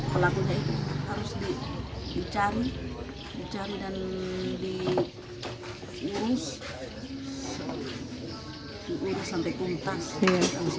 pelakunya itu harus dicari dan diurus sampai kumtas